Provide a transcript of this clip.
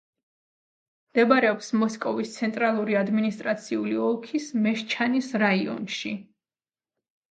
მდებარეობს მოსკოვის ცენტრალური ადმინისტრაციული ოლქის მეშჩანის რაიონში.